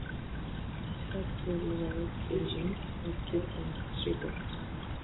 It has two layout engines: WebKit and Trident.